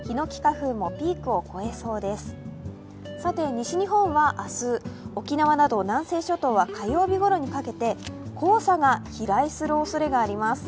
西日本は明日、沖縄など南西諸島は火曜日ごろにかけて黄砂が飛来するおそれがあります。